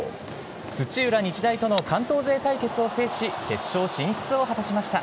土浦日大との関東勢対決を制し、決勝進出を果たしました。